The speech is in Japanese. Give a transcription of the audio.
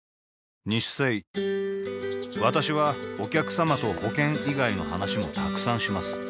私はお客様と保険以外の話もたくさんします